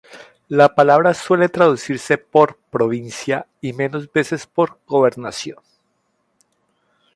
La palabra suele traducirse por "provincia" y menos veces por "gobernación".